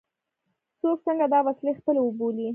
څوک څنګه دا وسیلې خپلې وبولي.